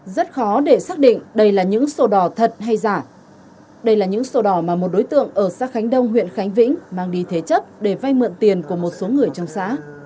rất khó để xác định đây là những sổ đỏ thật hay giả đây là những sổ đỏ mà một đối tượng ở sát khánh đông huyện khánh vĩnh mang đi thế chấp để vay mượn tiền của một số người trong xã